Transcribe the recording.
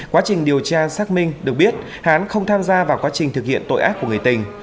quá trình điều tra xác minh được biết hán không tham gia vào quá trình thực hiện tội ác của người tình